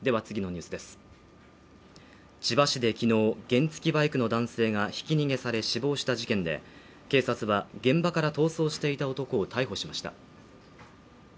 千葉市できのう原付バイクの男性がひき逃げされ死亡した事件で、警察は現場から逃走していた男を逮捕しました